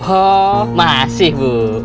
oh masih bu